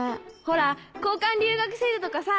ほら交換留学制度とかさ。